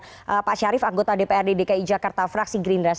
dan pak sarip anggota dprd dki jakarta fraksi greenress